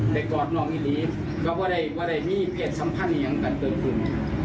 กอดน้องอีหลีก็ไม่ได้มีเพศสัมพันธ์อย่างนั้นเกิดขึ้น